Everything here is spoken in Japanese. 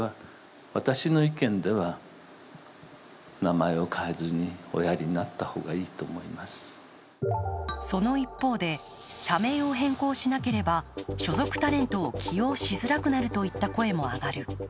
物議を醸している社名についてはその一方で、社名を変更しなければ所属タレントを起用しづらくなるといった声も上がる。